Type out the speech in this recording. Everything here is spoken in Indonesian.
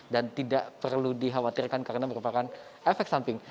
dan tidak perlu dikhawatirkan karena merupakan efek samping